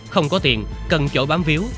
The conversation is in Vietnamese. không có tiền cần chỗ bám víu